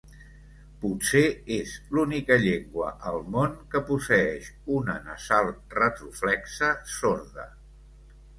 Potser és l'única llengua al món que posseeix una nasal retroflexa sorda.